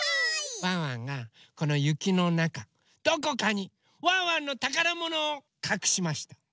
ワンワンがこのゆきのなかどこかにワンワンのたからものをかくしました。